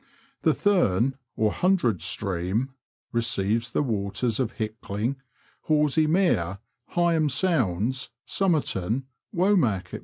The Thurn, or Hundred Stream, receives the waters of Hickling, Horsey Mere, Heigham Sounds, Somerton, Womack, &c.